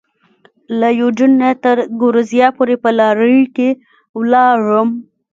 له یوډین نه تر ګورېزیا پورې په لارۍ کې ولاړم.